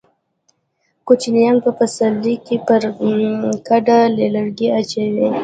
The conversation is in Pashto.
کوچيان په پسرلي کې پر کډه لرګي اچوي.